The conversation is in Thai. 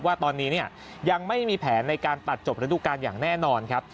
ว่าตอนนี้เนี่ยยังไม่มีแผนในการตัดจบระดูการอย่างแน่นอนครับ